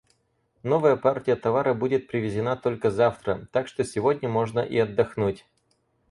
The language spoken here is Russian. Новая партия товара будет привезена только завтра. Так что сегодня можно и отдохнуть.